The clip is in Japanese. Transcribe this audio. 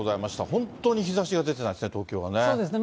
本当に日ざしが出てないですね、そうですね。